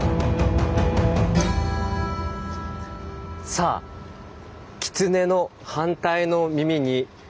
さあキツネの「反対の耳」に来ました。